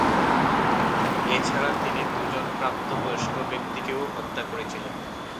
এছাড়া, তিনি দুজন প্রাপ্তবয়স্ক ব্যক্তিকেও হত্যা করেছিলেন।